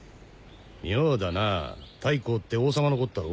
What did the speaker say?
妙だな大公って王様のことだろ？